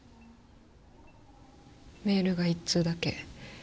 メールが１通だけ。